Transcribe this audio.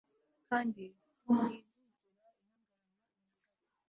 Kandi ntizigera ihagarara na gato